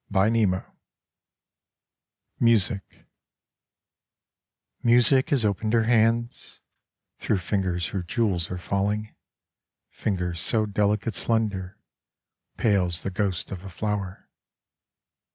XXXII Music Music has opened her hands, Through fingers her jewels are falling, Fingers so delicate slender, Pale as the ghost of a flower.